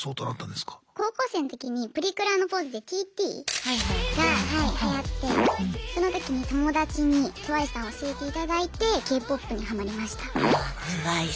高校生の時にプリクラのポーズで「ＴＴ」？がはいはやってその時に友達にＴＷＩＣＥさん教えていただいてＫ−ＰＯＰにハマりました。